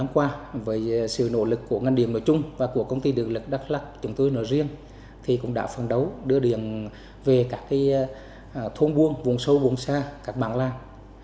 qua với sự nỗ lực của ngành điện nói chung và của công ty điện lực đắk lắc chúng tôi nói riêng thì cũng đã phần đấu đưa điện về các thôn buôn vùng sâu vùng xa các bản làng